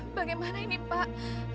aduh bagaimana ini pak